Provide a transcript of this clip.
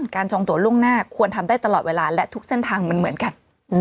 จองตัวล่วงหน้าควรทำได้ตลอดเวลาและทุกเส้นทางมันเหมือนกัน